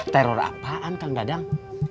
terror apaan kang dadang